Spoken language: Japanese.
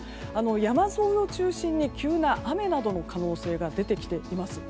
山沿いを中心に急な雨などの可能性が出てきています。